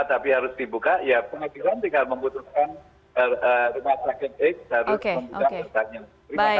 tapi harus dibuka ya pengadilan tinggal memutuskan rumah sakit